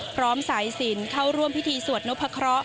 พร้อมสายศิลป์เข้าร่วมพิธีสวดนพครอ